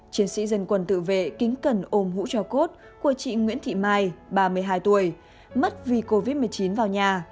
chiến sĩ dân quân tự vệ kính cần ôm hũ cho cốt của chị nguyễn thị mai ba mươi hai tuổi mất vì covid một mươi chín vào nhà